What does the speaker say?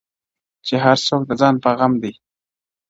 چي هر څوک د ځان په غم دي،